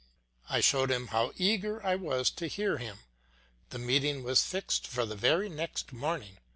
I showed him how eager I was to hear him. The meeting was fixed for the very next morning.